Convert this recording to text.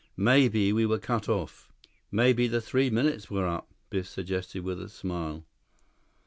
Maybe we were cut off." "Maybe the three minutes were up," Biff suggested with a smile.